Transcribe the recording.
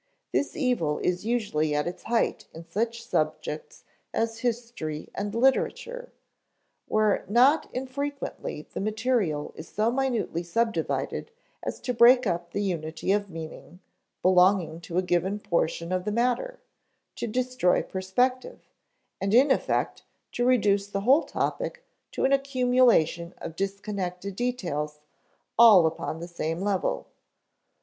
This evil is usually at its height in such subjects as history and literature, where not infrequently the material is so minutely subdivided as to break up the unity of meaning belonging to a given portion of the matter, to destroy perspective, and in effect to reduce the whole topic to an accumulation of disconnected details all upon the same level.